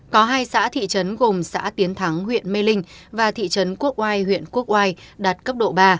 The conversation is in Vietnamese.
có hai xã thị trấn gồm xã tiến thắng huyện mê linh và thị trấn quốc oai huyện quốc oai đạt cấp độ ba